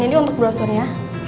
ini untuk browsernya